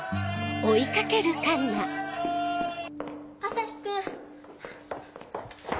朝陽君！